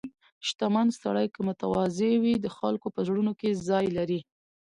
• شتمن سړی که متواضع وي، د خلکو په زړونو کې ځای لري.